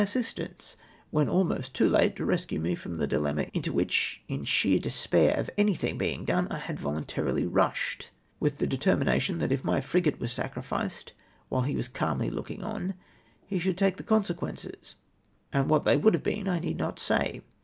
assistance," when almost too late to rescue me from the dilemma into which, in sheer despair of anything being done, I liad voluntarity rushed, with the de termination that if my frigate was sacrificed, while he was calmly looking on, he sliould take the consequences, and what they would have been I need not say.